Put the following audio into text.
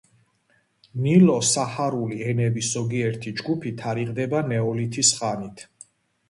ნილო-საჰარული ენების ზოგიერთი ჯგუფი თარიღდება ნეოლითის ხანით.